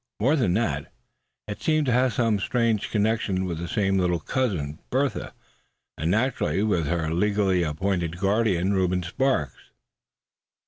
More than that, it seemed to have some strange connection with this same little cousin, Bertha; and naturally with her legally appointed guardian, Reuben Sparks.